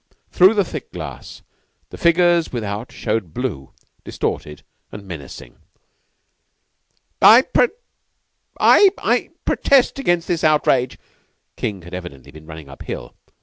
Through the thick glass the figures without showed blue, distorted, and menacing. "I I protest against this outrage." King had evidently been running up hill.